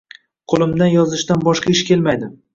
Qo‘limdan yozishdan boshqa ish kelmaydi.